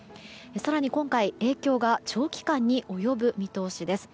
更に今回、影響が長期間に及ぶ見通しです。